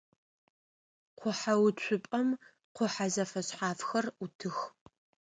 Къухьэуцупӏэм къухьэ зэфэшъхьафхэр ӏутых.